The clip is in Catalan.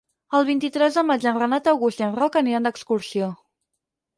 El vint-i-tres de maig en Renat August i en Roc aniran d'excursió.